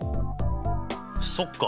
そっか！